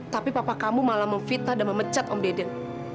tapi papa kamu malah memfitnah dan memecat om deden